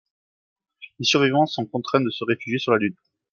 Les survivants sont contraints de se réfugier sur la lune.